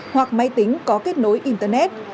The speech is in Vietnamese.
hoặc máy tính có kết nối internet